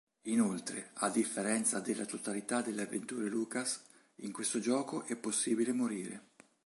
Inoltre, a differenza della totalità delle avventure Lucas, in questo gioco è possibile morire.